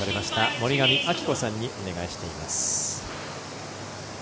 森上亜希子さんにお願いしています。